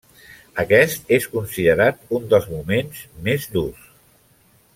Aquest és considerat un dels moments més durs.